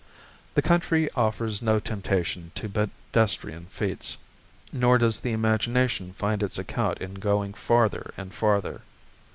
The country offers no temptation to pedestrian feats, nor does the imagination find its account in going farther and farther.